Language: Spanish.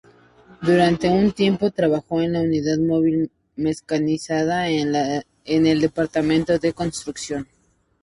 Durante un tiempo trabajó en la unidad móvil mecanizada en el departamento de construcción.